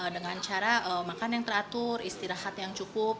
dengan cara makan yang teratur istirahat yang cukup